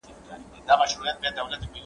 دا کار له هغه ګټور دي!!